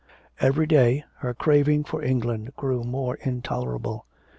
Every day her craving for England grew more intolerable.